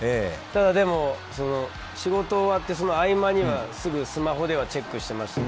ただ仕事終わって、その合間にはすぐスマホではチェックしてました。